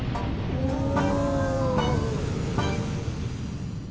うん？